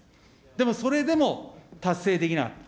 でもそれでも達成できなかった。